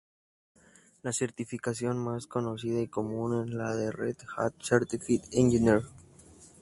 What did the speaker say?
La certificación más conocida y común es la de Red Hat Certified Engineer.